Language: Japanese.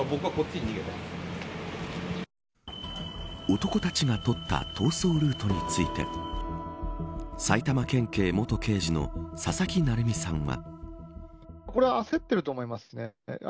男たちが取った逃走ルートについて埼玉県警元刑事の佐々木成三さんは。